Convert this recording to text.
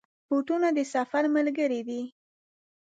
بوټونه د سفر ملګري دي.